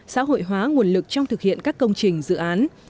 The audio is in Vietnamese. xã hội hóa nguồn lực trong thực hiện các công trình dự án